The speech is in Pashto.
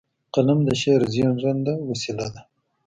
قلم د شعر زیږنده وسیله ده.